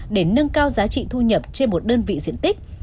để nâng cao giá trị thu nhập trên một đơn vị diện tích